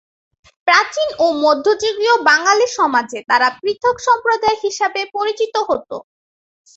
প্রাচীন ও মধ্যযুগীয় বাঙালী সমাজে তারা পৃথক সম্প্রদায় হিসাবে পরিচিত হত।